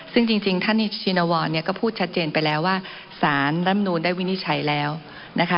ซึ่งจริงท่านชินวรเนี่ยก็พูดชัดเจนไปแล้วว่าสารรำนูนได้วินิจฉัยแล้วนะคะ